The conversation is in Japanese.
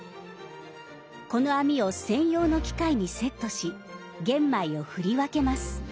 この網を専用の機械にセットし玄米を振り分けます。